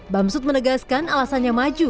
bamsud menegaskan alasannya maju